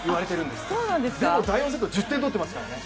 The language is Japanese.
でも第４セット１０点取ってますからね。